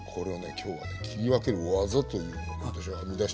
今日はね切り分ける技というのを私は編み出したの。